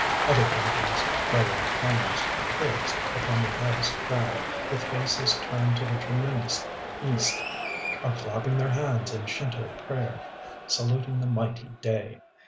Other pilgrims, earlier climbers, poised upon the highest crag, with faces turned to the tremendous East, are clapping their hands in Shint┼Ź prayer, saluting the mighty Day....